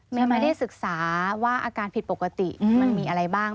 ไม่ได้ศึกษาว่าอาการผิดปกติมันมีอะไรบ้าง